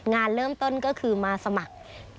งานเริ่มต้นก็คือมาสมัคร